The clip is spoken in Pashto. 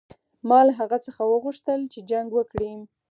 ما له هغه څخه وغوښتل چې جنګ وکړي.